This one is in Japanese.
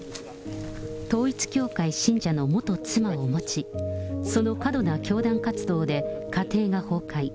統一教会信者の元妻を持ち、その過度な教団活動で、家庭が崩壊。